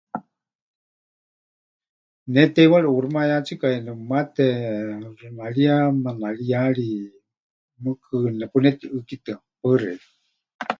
Ne teiwari ʼuuximayátsikaya nepɨmate, xɨnariya manariyari mɨɨkɨ nepunetiʼɨ́kitɨa. Paɨ xeikɨ́a.